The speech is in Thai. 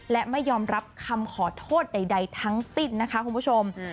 และไม่ยอมรับคำขอโทษใดทั้งสิ้นนะคะคุณผู้ชม